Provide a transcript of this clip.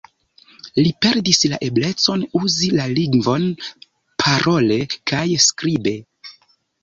Li perdis la eblecon uzi la lingvon parole kaj skribe.